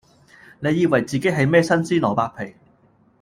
你以為自己係咩新鮮蘿蔔皮